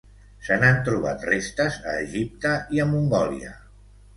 Se n'han trobat restes a Egipte i a Mongòlia.